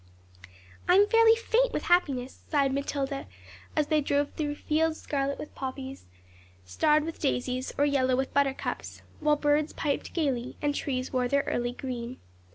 'I am fairly faint with happiness,' sighed Matilda, as they drove through fields scarlet with poppies, starred with daisies, or yellow with buttercups, while birds piped gaily, and trees wore their early green.